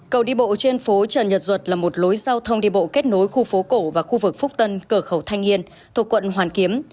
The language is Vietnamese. cầu đi bộ trên phố trần nhật duật là một lối giao thông đi bộ kết nối khu phố cổ và khu vực phúc tân cờ khẩu thanh yên thuộc quận hoàn kiếm